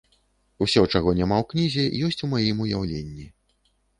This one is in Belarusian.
Усё, чаго няма ў кнізе, ёсць у маім уяўленні.